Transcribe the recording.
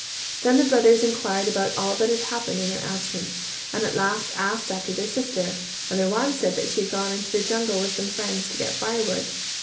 Then the brothers enquired about all that had happened in their absence, and at last asked after their sister, and their wives said that she had gone to the jungle with some friends to get firewood.